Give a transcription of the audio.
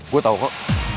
gue tahu kok